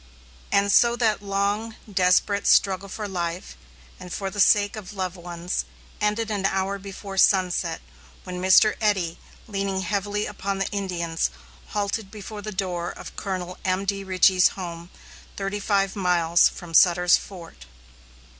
And so that long, desperate struggle for life, and for the sake of loved ones, ended an hour before sunset, when Mr. Eddy, leaning heavily upon the Indians, halted before the door of Colonel M.D. Richey's home, thirty five miles from Sutter's Fort.